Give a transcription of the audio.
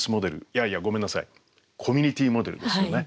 いやいやごめんなさいコミュニティーモデルですよね。